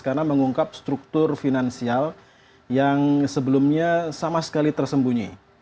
karena mengungkap struktur finansial yang sebelumnya sama sekali tersembunyi